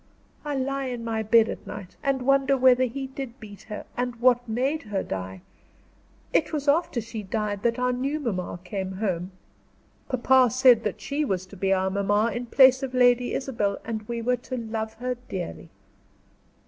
I lie in my bed at night, and wonder whether he did beat her, and what made her die. It was after she died that our new mamma came home. Papa said that she was to be our mamma in place of Lady Isabel and we were to love her dearly."